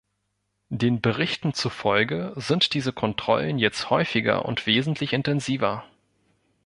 Den Berichten zufolge sind diese Kontrollen jetzt häufiger und wesentlich intensiver.